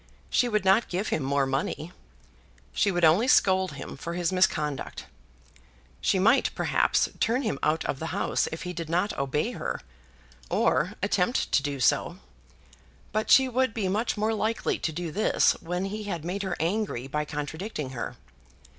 She would not give him more money. She would only scold him for his misconduct. She might, perhaps, turn him out of the house if he did not obey her, or attempt to do so; but she would be much more likely to do this when he had made her angry by contradicting her.